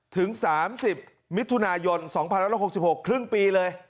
ถึง๓๐มิถุนายน๒๑๖๖ครึ่งปีเลย